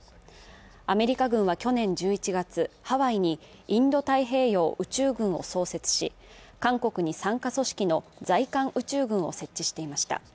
アメリカ軍は去年１１月、ハワイにインド太平洋宇宙軍を創設し、韓国に傘下組織の在韓宇宙軍を設置していました。